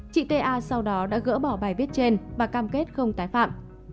chị ta sau đó đã gỡ bỏ bài viết trên và cam kết không tái phạm